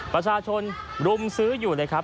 ประชาชนรุมซื้ออยู่เลยครับ